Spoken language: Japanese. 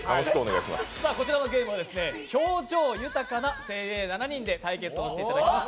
こちらのゲームは表情豊かな精鋭７人で対決していただきます